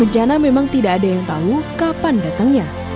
rencana memang tidak ada yang tahu kapan datangnya